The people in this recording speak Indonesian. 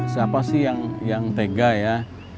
siapa sih yang tega ya